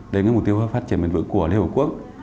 đến mục tiêu phát triển bền vững của liên hợp quốc